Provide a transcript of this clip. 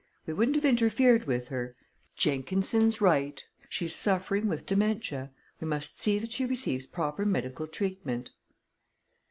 We wouldn't have interfered with her. Jenkinson's right she's suffering with dementia. We must see that she receives proper medical treatment."